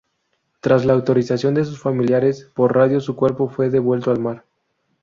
Tras la autorización de sus familiares por radio su cuerpo fue devuelto al mar.